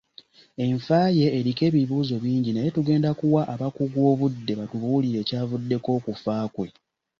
Enfa ye eriko ebibuuzo bingi naye tugenda kuwa abakugu obudde batubuulire ekyavuddeko okufa kwe.